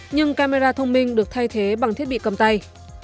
nhưng camera thông minh được thay thế bằng thiết bị cầm tay